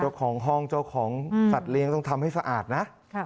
เจ้าของห้องเจ้าของสัตว์เลี้ยงต้องทำให้สะอาดนะ